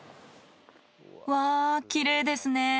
うわぁきれいですね。